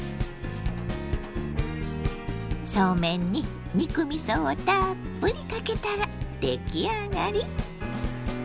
そうめんに肉みそをたっぷりかけたら出来上がり！